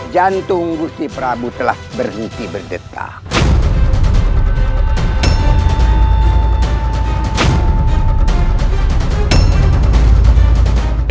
jantung gusti prabu telah berhenti berdetak